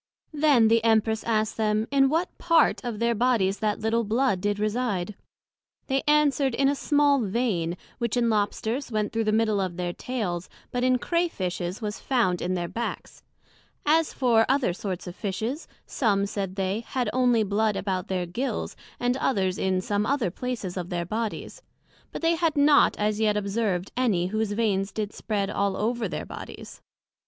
Then the Empress asked them, in what part of their Bodies that little blood did reside? They answered, in a small vein, which in Lobsters went through the middle of their tails, but in Crea fishes was found in their backs: as for other sorts of Fishes, some, said they, had onely blood about their Gills, and others in some other places of their Bodies; but they had not as yet observed any whose veins did spread all over their Bodies.